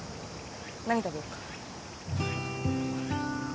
何食べよっか。